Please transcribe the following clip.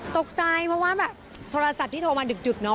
ตกใจเพราะว่าแบบโทรศัพท์ที่โทรมาดึกเนาะ